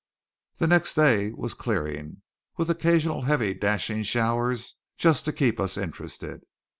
The next day was clearing, with occasional heavy dashing showers, just to keep us interested.